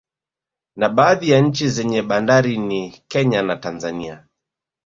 Na baadhi ya nchi zenye bandari ni Kenya na Tanzania